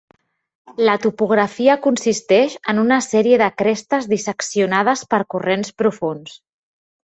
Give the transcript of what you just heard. La topografia consisteix en una sèrie de crestes disseccionades per corrents profunds.